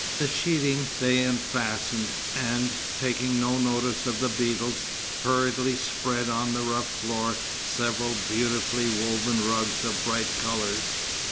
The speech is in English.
The sheeting they unfastened, and, taking no notice of the beetles, hurriedly spread on the rough floor several beautifully woven rugs of bright colours.